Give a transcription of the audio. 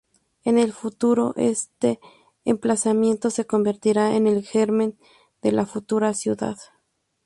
En el futuro, este emplazamiento se convertiría en el germen de la futura ciudad.